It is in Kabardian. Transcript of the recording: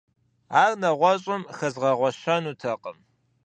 Ар нэгъуэщӀым хэзгъэгъуэщэнутэкъым.